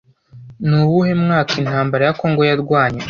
Nuwuhe mwaka, Intambara ya congo yarwanye